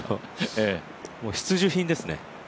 必需品ですね。